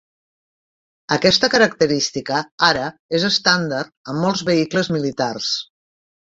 Aquesta característica ara és estàndard a molts vehicles militars.